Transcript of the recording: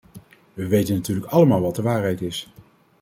We weten natuurlijk allemaal wat de waarheid is.